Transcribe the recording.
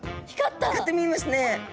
光って見えますね。